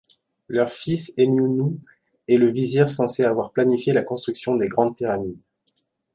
Leur fils Hemiounou est le vizir censé avoir planifié la construction des Grandes Pyramides.